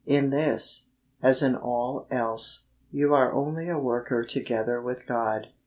In this, as in all else, you are only a worker together with God.